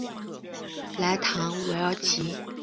莱唐韦尔吉。